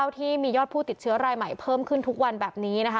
ที่มียอดผู้ติดเชื้อรายใหม่เพิ่มขึ้นทุกวันแบบนี้นะคะ